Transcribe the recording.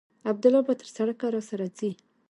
عبدالله به تر سړکه راسره ځي.